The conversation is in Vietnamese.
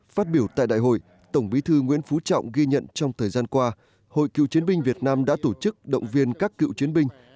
phát biểu tại đại hội tổng bí thư nguyễn phú trọng ghi nhận trong thời gian qua hội cựu chiến binh việt nam đã tổ chức động viên các cựu chiến binh